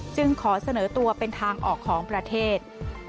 จึงขอเสนอตัวเป็นทางออกของประเทศ